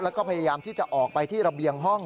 แล้วก็พยายามที่จะออกไปที่ระเบียงห้อง